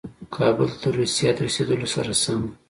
کابل ته د روسي هیات رسېدلو سره سم.